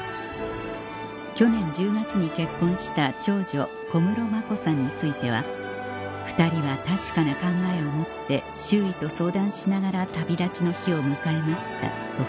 去年１０月に結婚した長女については「２人は確かな考えを持って周囲と相談しながら旅立ちの日を迎えました」と